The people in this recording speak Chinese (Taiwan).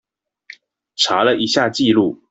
查了一下記錄